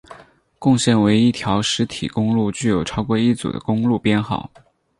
共线为一条实体公路具有超过一组的公路编号。